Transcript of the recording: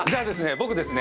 僕ですね。